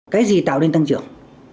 cái gì tạo nên tăng trưởng